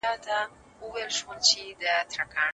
د دوی په خپلو کارونو کي بې مطالعې وو.